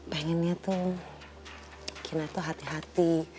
pengennya tuh kina tuh hati hati